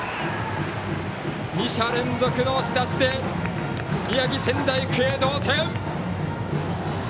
２者連続の押し出しで宮城、仙台育英、同点。